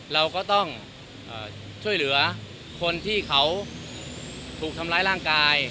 เราก็ต้องช่วยเหลือคนที่เขาถูกทำร้ายร่างกาย